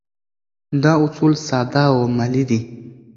دا اصول ساده او عملي دي.